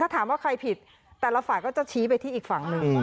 ถามว่าใครผิดแต่ละฝ่ายก็จะชี้ไปที่อีกฝั่งหนึ่ง